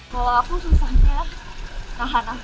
kalau aku susahnya nahan nafasnya sih